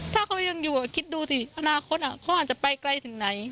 ถ้าเขายังอยู่คิดดูสิอนาคตเขาอาจจะไปไกลถึงไหน